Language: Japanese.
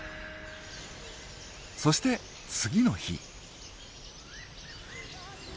そして次の日。